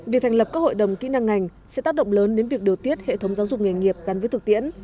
việc thành lập các hội đồng kỹ năng ngành sẽ tác động lớn đến việc điều tiết hệ thống giáo dục nghề nghiệp gắn với thực tiễn